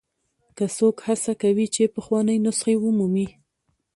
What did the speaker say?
که څوک هڅه کوي چې پخوانۍ نسخې ومومي.